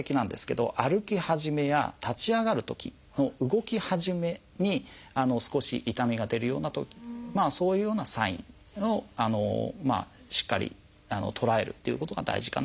歩き始めや立ち上がるときの動き始めに少し痛みが出るようなそういうようなサインをしっかり捉えるっていうことが大事かなと思います。